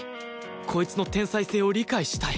こいつの天才性を理解したい！